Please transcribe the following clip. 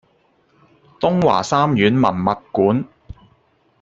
東華三院文物館